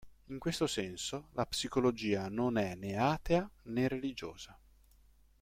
In questo senso, la psicologia non è né atea, né religiosa.